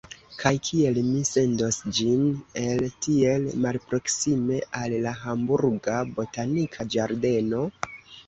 Kaj kiel mi sendos ĝin, el tiel malproksime, al la Hamburga Botanika Ĝardeno?